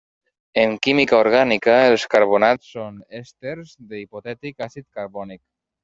En química orgànica els carbonats són èsters de l'hipotètic àcid carbònic.